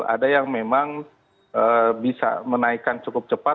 ada yang memang bisa menaikkan cukup cepat